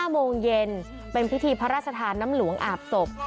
โมงเย็นเป็นพิธีพระราชทานน้ำหลวงอาบศพ